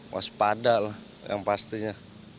mas padah lah yang pastinya